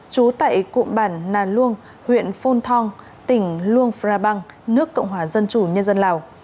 trú tại cụm bản nà luông huyện phôn thong tỉnh luông pha băng nước cộng hòa dân chủ nhân dân lào